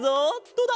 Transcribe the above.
どうだ？